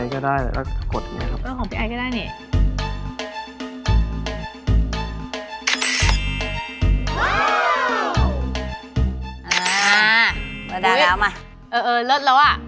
เลิกแล้วอ่ะ